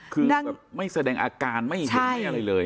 คือแบบไม่แสดงอาการไม่เห็นไม่อะไรเลย